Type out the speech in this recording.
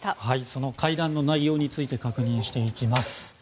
その会談の内容について確認していきます。